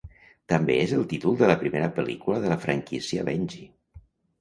També és el títol de la primera pel·lícula de la franquícia "Benji".